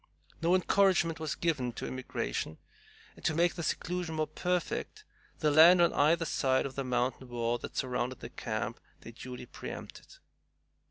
No encouragement was given to immigration, and, to make their seclusion more perfect, the land on either side of the mountain wall that surrounded the camp they duly preempted.